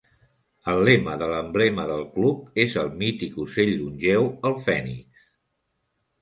El lema de l'emblema del club és el mític ocell longeu, el Fènix.